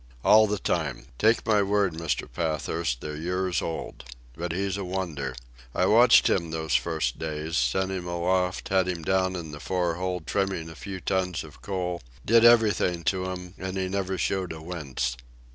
"All the time! Take my word, Mr. Pathurst, they're years old. But he's a wonder. I watched him those first days, sent him aloft, had him down in the fore hold trimming a few tons of coal, did everything to him, and he never showed a wince.